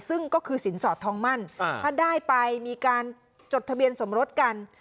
ซึ่งก็คือสินสอดทองมั่นถ้าได้ไปมีการจดทะเบียนสมรสกัน